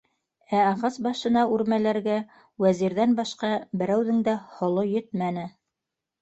Ә ағас башына үрмәләргә Вәзирҙән башҡа берәүҙең дә һоло етмәне.